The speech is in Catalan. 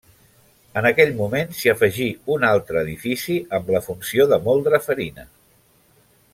En aquell moment s'hi afegí un altre edifici amb la funció de moldre farina.